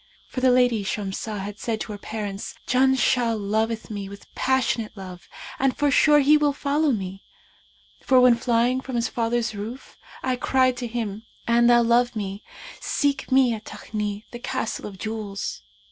For the lady Shamsah had said to her parents, 'Janshah loveth me with passionate love and forsure he will follow me; for when flying from his father's roof I cried to him, 'An thou love me, seek me at Takni, the Castle of Jewels!'